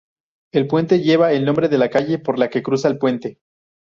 El puente lleva el nombre de la calle por la que cruza el puente.